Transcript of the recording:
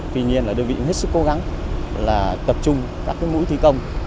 tuy nhiên đơn vị cũng hết sức cố gắng tập trung các mũi thi công